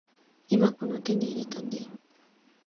今この手に入れたんだよ